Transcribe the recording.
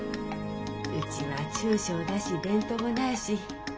うちは中小だし伝統もないし。